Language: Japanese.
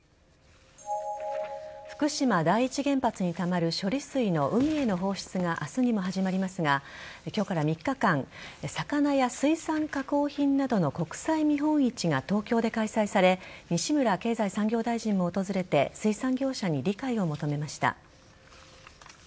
福島第一原発にたまる処理水の海への放出が明日にも始まりますが今日から３日間魚や水産加工品などの国際見本市が東京で開催され西村経済産業大臣も訪れて水産業者に理解を求めました。